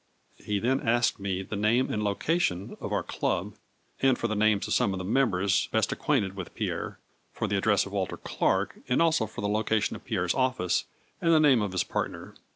He then asked me the name and location of our club, and for the names of some of the members best acquainted with Pierre, for the address of Walter Clark and also for the loca tion of Pierre's office, and the came of his part ner.